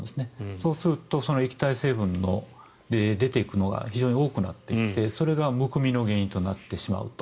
そうするとその液体成分の出ていくのが非常に多くなっていってそれがむくみの原因となってしまうと。